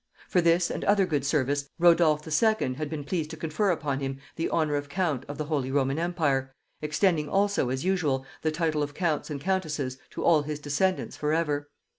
For this and other good service, Rodolph the Second had been pleased to confer upon him the honor of count of the holy Roman empire, extending also, as usual, the title of counts and countesses to all his descendants for ever.